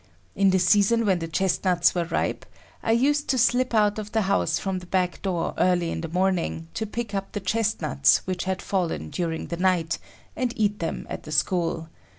In the season when the chestnuts were ripe, I used to slip out of the house from the back door early in the morning to pick up the chestnuts which had fallen during the night, and eat them at the school.